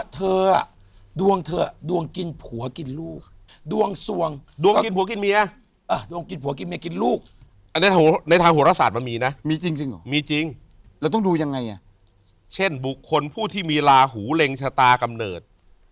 ที่มีลาหูเร็งชะตากำเนิด